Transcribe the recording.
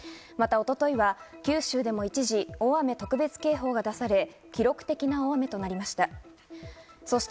一昨日は九州でも一時、大雨特別警報が出され記録的な大雨になりました。